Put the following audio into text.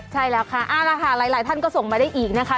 ใช่แล้วครับนะครับหลายท่านก็ส่งมาได้อีกนะครับ